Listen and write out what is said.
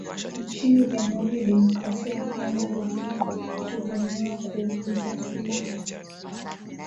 nchini Jamhuri ya Kidemokrasi ya Kongo wakituhumiwa kuuza silaha